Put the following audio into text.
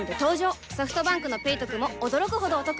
ソフトバンクの「ペイトク」も驚くほどおトク